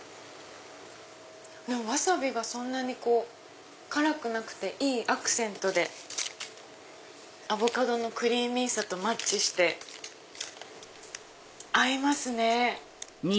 ワサビがそんなに辛くなくていいアクセントでアボカドのクリーミーさとマッチして合いますね。